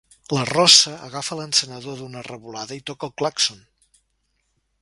La rossa agafa l'encenedor d'una revolada i toca el clàxon.